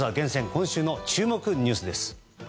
今週の注目ニュースです。